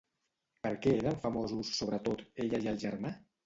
Per què eren famosos sobretot ella i el germà?